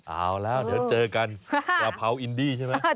เอาแล้วเดี๋ยวเจอกันกระเพราอินดี้ใช่ไหม